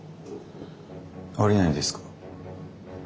降りないんですか？